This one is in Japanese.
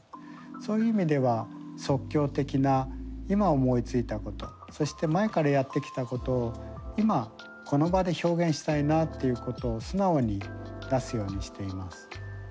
そういう意味では即興的な今思いついたことそして前からやってきたことを今この場で表現したいなということを素直に出すようにしています。